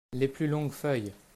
Les plus longues feuilles.